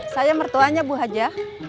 saya mertuanya bu haja